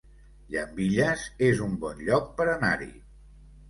Llambilles es un bon lloc per anar-hi